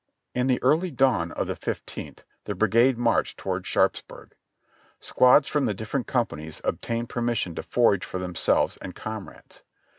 In the early dawn of the fifteenth the brigade marched to\vard Sharpsburg. Squads from the different companies ob tained permission to forage for themselves and comrades.